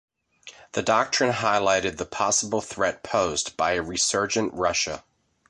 The doctrine highlighted the possible threat posed by a resurgent Russia.